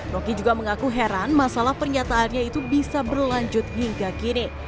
roky juga mengaku heran masalah pernyataannya itu bisa berlanjut hingga kini